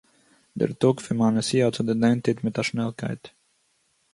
דער טאג פון מיין נסיעה האט זיך דערנענטערט מיט א שנעלקייט